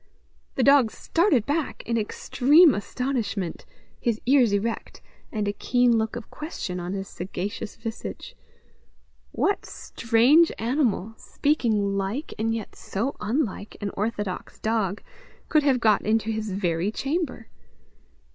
The dog started back in extreme astonishment, his ears erect, and a keen look of question on his sagacious visage: what strange animal, speaking like, and yet so unlike, an orthodox dog, could have got into his very chamber?